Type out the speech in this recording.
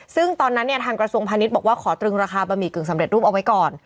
ซึ่งตอนนั้นเนี่ยทางกระทรวงพาณิชย์บอกว่าขอตรึงราคาบะหมี่กึ่งสำเร็จรูปเอาไว้ก่อน